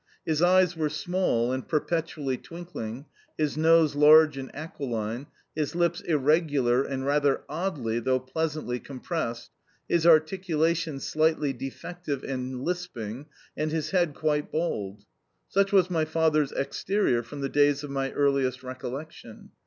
His eyes were small and perpetually twinkling, his nose large and aquiline, his lips irregular and rather oddly (though pleasantly) compressed, his articulation slightly defective and lisping, and his head quite bald. Such was my father's exterior from the days of my earliest recollection.